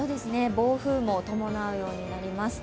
暴風雨も伴うことになります。